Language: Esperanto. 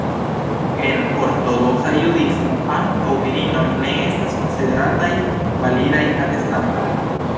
En Ortodoksa Judismo, ankaŭ virinoj ne estas konsiderataj validaj atestantoj.